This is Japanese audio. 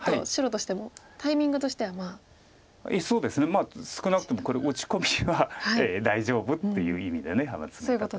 まあ少なくともこれ打ち込みは大丈夫っていう意味で続けたと思うんですけれども。